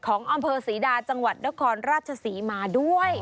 ของอำเภอศรีดาจังหวัดนครราชศรีมาด้วย